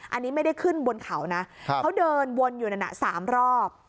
อันนี้ไม่ได้ขึ้นบนเขานะเขาเดินวนอยู่นั่นน่ะ๓รอบ